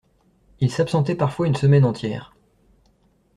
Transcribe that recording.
Il s’absentait parfois une semaine entière